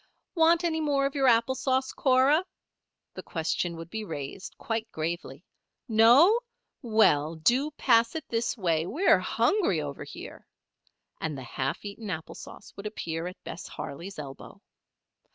"Want any more of your apple sauce, Cora?" the question would be raised, quite gravely. "No? Well do pass it this way, we're hungry over here," and the half eaten apple sauce would appear at Bess Harley's elbow.